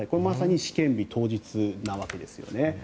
まさに試験日当日なわけです。